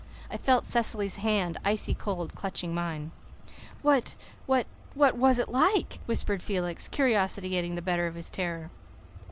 I felt Cecily's hand, icy cold, clutching mine. "What what was IT like?" whispered Felix, curiosity getting the better of his terror.